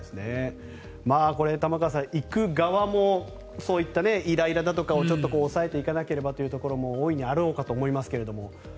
玉川さん、行く側もそういったイライラだとかをちょっと抑えていかなきゃというところも大いにあろうかと思いますが。